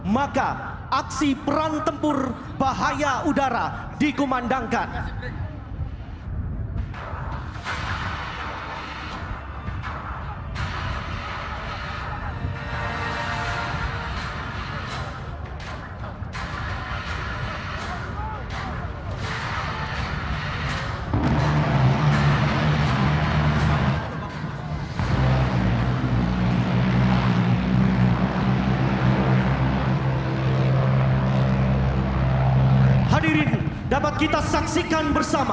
maka aksi peran tempur bahaya udara dikumandangkan